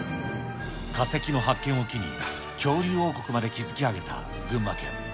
化石の発見を機に、恐竜王国まで築き上げた群馬県。